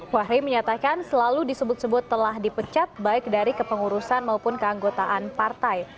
fahri menyatakan selalu disebut sebut telah dipecat baik dari kepengurusan maupun keanggotaan partai